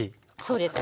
そうです。